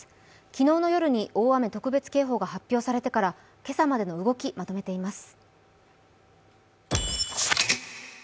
昨日の夜に大雨特別警報が発表されてから今朝までの動き、まとめています。